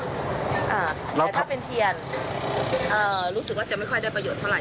แต่ถ้าเป็นเทียนรู้สึกว่าจะไม่ค่อยได้ประโยชนเท่าไห